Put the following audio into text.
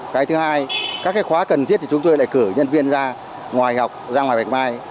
cái thứ hai các cái khóa cần thiết thì chúng tôi lại cử nhân viên ra ngoài học ra ngoài bạch mai